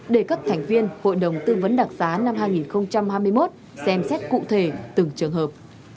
để các thành viên hội đồng tư vấn đặc xá năm hai nghìn hai mươi một xem xét cụ thể từng trường hợp